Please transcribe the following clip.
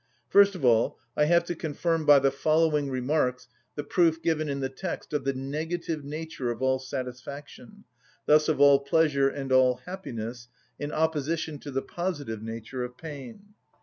First of all, I have to confirm by the following remarks the proof given in the text of the negative nature of all satisfaction, thus of all pleasure and all happiness, in opposition to the positive nature of pain.